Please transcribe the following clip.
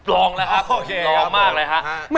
ลองแล้วครับลองมากเลยฮะ